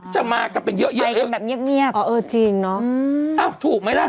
จะมากับเป็นเยอะเออจริงเนอะอ๋อถูกไหมล่ะ